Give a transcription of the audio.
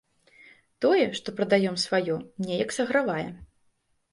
Тое, што прадаём сваё, неяк сагравае.